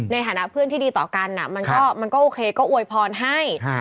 ในฐานะเพื่อนที่ดีต่อกันมันก็โอเคก็อวยพรให้